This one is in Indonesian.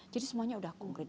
jadi semuanya sudah kumret